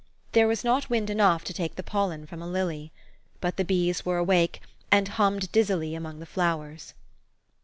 There was not wind enough to take the pollen from a lily. But the bees were awake, and hummed dizzily among the flowers.